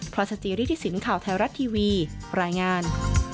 รอยสจิริฐศิลป์ข่าวไทยรัฐทีวีรายงาน